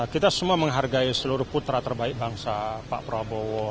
kita semua menghargai seluruh putra terbaik bangsa pak prabowo